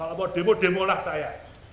kalau mau demo demolah saya